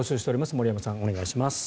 森山さん、お願いします。